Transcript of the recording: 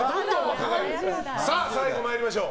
最後、参りましょう。